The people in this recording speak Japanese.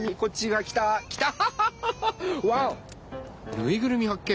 ぬいぐるみはっ見！